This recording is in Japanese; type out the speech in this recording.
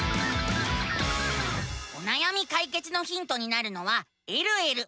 おなやみ解決のヒントになるのは「えるえる」。